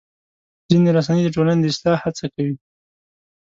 ځینې رسنۍ د ټولنې د اصلاح هڅه کوي.